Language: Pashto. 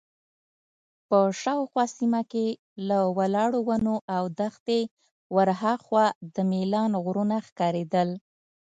په شاوخوا سیمه کې له ولاړو ونو او دښتې ورهاخوا د میلان غرونه ښکارېدل.